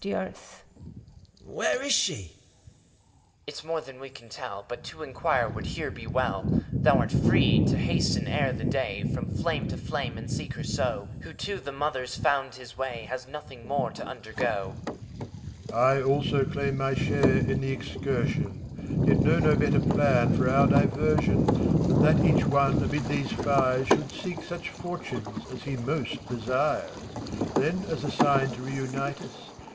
FAUST {as he touches the earth). Where is she?— 84 FAU^T. HOMUNCULUS. It's moi e than w6 can tell, But to inquire would here be well. Thou 'rt free to hasten, ere the day, From flame to flame, and seek her so : Who to the Mothers found his way Has nothing more to undergo. MEPHISTOPHELES. I also claim my share in the excursion ; Yet know no better plan for our diversion, Than that each one, amid these fires, Should seek such fortunes as he most desires. Then, as a sign to reunite us.